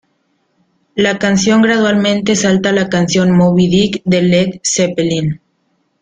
La canción gradualmente salta a la canción "Moby Dick" de Led Zeppelin.